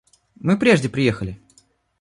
Мы прежде приехали.